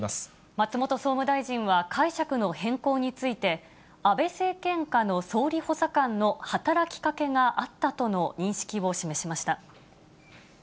松本総務大臣は、解釈の変更について、安倍政権下の総理補佐官の働きかけがあったとの認識を示しました。